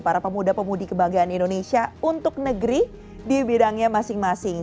para pemuda pemudi kebanggaan indonesia untuk negeri di bidangnya masing masing